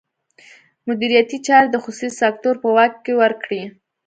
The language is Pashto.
مدیریتي چارې د خصوصي سکتور په واک کې ورکړي.